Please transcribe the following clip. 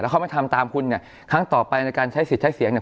เขาไม่ทำตามคุณเนี่ยครั้งต่อไปในการใช้สิทธิ์ใช้เสียงเนี่ย